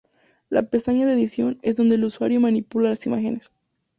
La pestaña de edición es donde el usuario manipula las imágenes.